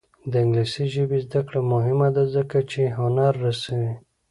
د انګلیسي ژبې زده کړه مهمه ده ځکه چې هنر رسوي.